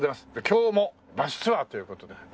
今日もバスツアーという事で。